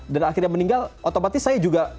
dan akhirnya meninggal otomatis saya juga